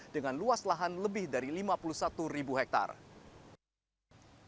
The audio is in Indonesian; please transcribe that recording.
dengan luas lahan lebih dari lima puluh satu ribu hektare